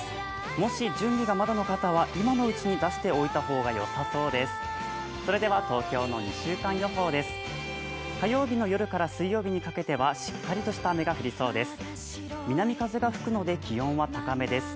もし準備がまだの方は今のうちに出しておいた方がよさそうです。